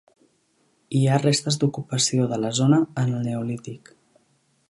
Hi ha restes d'ocupació de la zona en el neolític.